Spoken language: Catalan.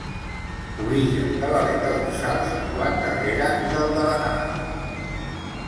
Origen de l'aleta dorsal situat darrere del de l'anal.